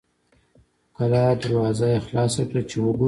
کلا دروازه یې خلاصه کړه چې وګوري.